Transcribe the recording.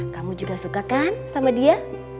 kamu juga suka kan sama dia